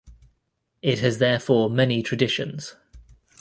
It has therefore many traditions.